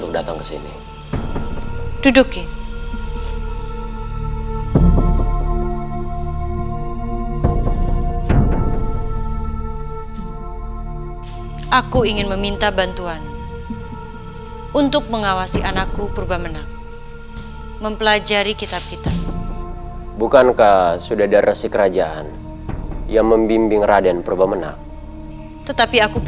kau tidak akan pernah lagi menolak keinginan ibu